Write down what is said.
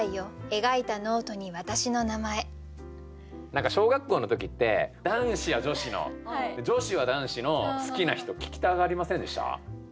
何か小学校の時って男子は女子の女子は男子の好きな人聞きたがりませんでした？